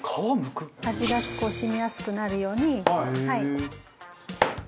味がこう染みやすくなるようにはい。